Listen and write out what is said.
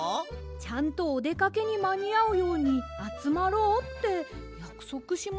ちゃんとおでかけにまにあうようにあつまろうってやくそくしましたよ。